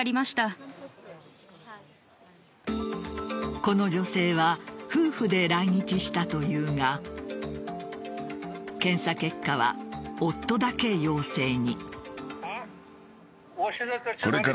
この女性は夫婦で来日したというが検査結果は夫だけ陽性に。